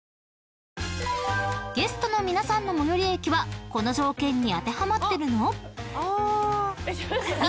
［ゲストの皆さんの最寄り駅はこの条件に当てはまってるの？］